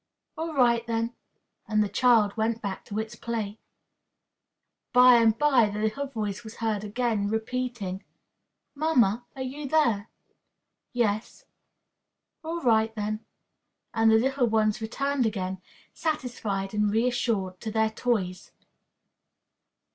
"'All right, then!' and the child went back to its play. "By and by the little voice was heard again, repeating, "'Mamma, are you there?' "'Yes.' "'All right, then;' and the little ones returned again, satisfied and reassured, to their toys."